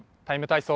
ＴＩＭＥ，体操」